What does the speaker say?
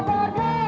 kau tak suka jauh